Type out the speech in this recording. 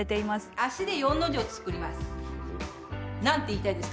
脚で４の字を作ります。